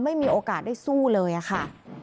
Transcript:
ไม่มีโอกาสได้สู้เลยค่ะ